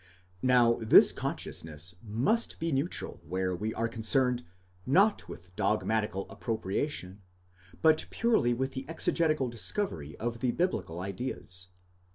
Now this consciousness must be neutral where we are concerned, not with the dogmatical appropriation, but purely with the exegetical discovery of the biblical ideas.